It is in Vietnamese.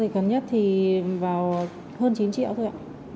thẻ atm và tai nghe siêu nhỏ